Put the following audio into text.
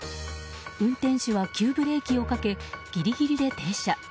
運転手は急ブレーキをかけギリギリで停車。